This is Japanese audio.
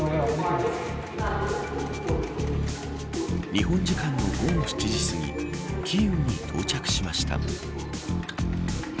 日本時間の午後７時すぎキーウに到着しました。